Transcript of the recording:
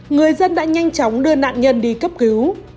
người dân đã nhanh chóng đưa nạn nhân đi cấp cứu